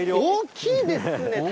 大きいですね。